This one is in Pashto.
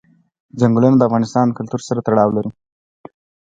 چنګلونه د افغان کلتور سره تړاو لري.